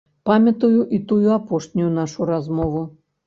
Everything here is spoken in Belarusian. Памятаю і тую апошнюю нашу размову.